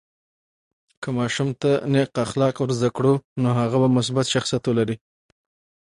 که ماشوم ته نیک اخلاق ورزده کړو، نو هغه به مثبت شخصیت ولري.